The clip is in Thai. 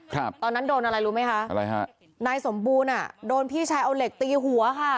ครับตอนนั้นโดนอะไรรู้ไหมคะอะไรฮะนายสมบูรณ์อ่ะโดนพี่ชายเอาเหล็กตีหัวค่ะ